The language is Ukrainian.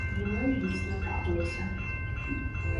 А воно й дійсно трапилося.